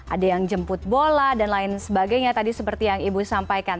ada yang jemput bola dan lain sebagainya tadi seperti yang ibu sampaikan